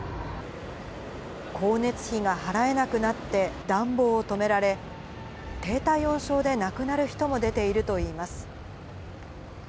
光熱費が払えなくなって暖房を止められ、低体温症で亡くなる人も出ているといいます。